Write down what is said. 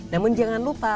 namun jangan lupa